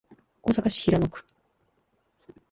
大阪市平野区